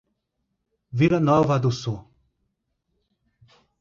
Vila Nova do Sul